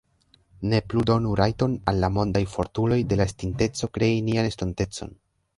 Ne plu donu rajton al la mondaj fortuloj de la estinteco krei nian estontecon